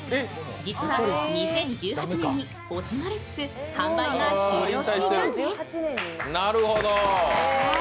実は２０１８年に惜しまれつつ販売が終了していたんです。